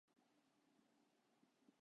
名探偵コナンの映画名は初見殺しである